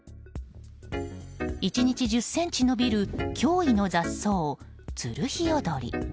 １日１０ｃｍ伸びる驚異の雑草、ツルヒヨドリ。